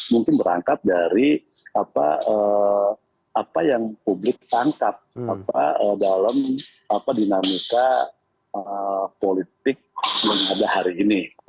mungkin berangkat dari apa yang publik tangkap dalam dinamika politik yang ada hari ini